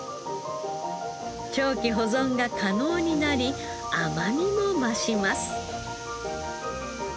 長期保存が可能になり甘みも増します。